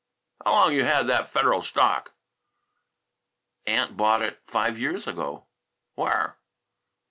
"How long you had that Federal stock?" "Aunt bought it five years ago." "Where?"